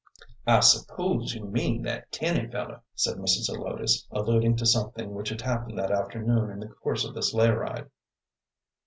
"I suppose you mean that Tinny feller," said Mrs. Zelotes, alluding to something which had happened that afternoon in the course of the sleigh ride.